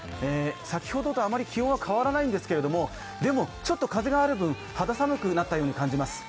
先ほどとあまり気温は変わらないんですが、でもちょっと風がある分、肌寒くなったように感じます。